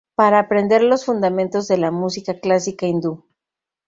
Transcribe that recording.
Para aprender los fundamentos de la música clásica hindú.